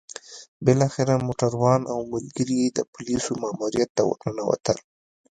بالاخره موټروان او ملګري يې د پوليسو ماموريت ته ورننوتل.